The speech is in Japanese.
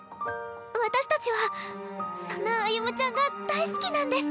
私たちはそんな歩夢ちゃんが大好きなんです！